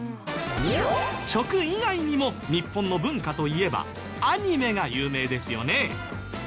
食以外にも日本の文化といえばアニメが有名ですよね。